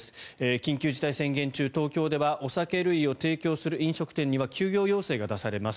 緊急事態宣言中、東京ではお酒類を提供する飲食店には休業要請が出されます。